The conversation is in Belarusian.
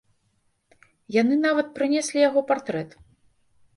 Яны нават прынеслі яго партрэт.